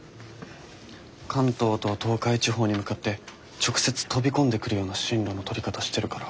関東と東海地方に向かって直接飛び込んでくるような進路の取り方してるから。